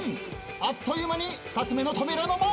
あっという間に２つ目の扉の前。